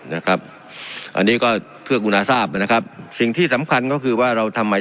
นะครับอันนี้ก็เพื่อกุณาทราบนะครับสิ่งที่สำคัญก็คือว่าเราทำไม